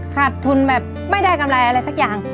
ขาดทุนแบบไม่ได้กำไรอะไรสักอย่าง